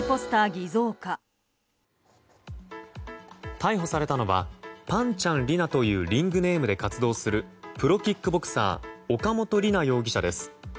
逮捕されたのはぱんちゃん璃奈というリングネームで活動するプロキックボクサー岡本璃奈容疑者です。